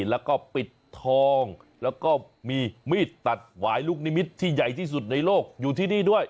แล้วก็ปิดทองแล้วก็มีมีดตัดหวายลูกนิมิตรที่ใหญ่ที่สุดในโลกอยู่ที่นี่ด้วย